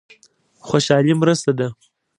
خوشالي مرسته ده.